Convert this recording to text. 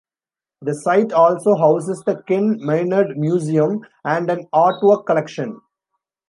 The site also houses the Ken Maynard Museum and an artwork collection.